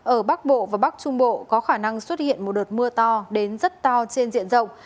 ở bắc bộ và bắc trung bộ có khả năng xuất hiện một đợt mưa to đến rất to trên diện rộng